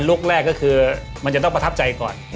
คแรกก็คือมันจะต้องประทับใจก่อน